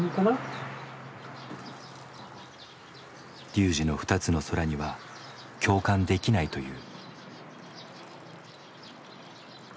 ＲＹＵＪＩの「二つの空」には共感できないという。